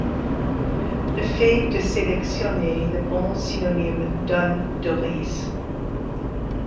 Le fait de sélectionner le bon synonyme donne de riz.